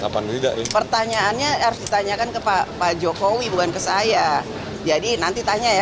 kapan tidak pertanyaannya harus ditanyakan ke pak jokowi bukan ke saya jadi nanti tanya ya